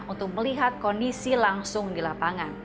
untuk melihat kondisi langsung di lapangan